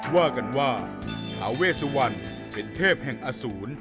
ว่ากันว่าทาเวสุวรรณเป็นเทพแห่งอสูร